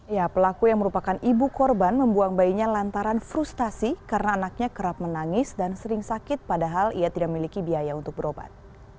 ya pelaku yang merupakan ibu korban membuang bayinya lantaran frustasi karena anaknya kerap menangis dan sering sakit padahal ia tidak memiliki biaya untuk berobat